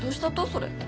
それ。